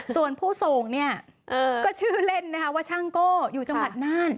ส่วนผู้ส่งเนี่ยก็ชื่อเล่นนะคะว่าช่างโก้อยู่จังหวัดน่าน